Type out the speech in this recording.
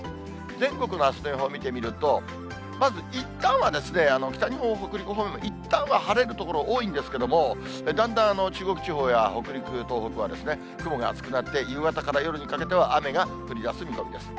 全国のあすの予報見てみると、まずいったんは北日本、北陸方面、いったんは晴れる所多いんですけれども、だんだん中国地方や北陸、東北は、雲が厚くなって、夕方から夜にかけては雨が降りだす見込みです。